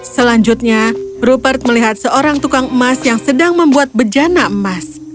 selanjutnya rupert melihat seorang tukang emas yang sedang membuat bejana emas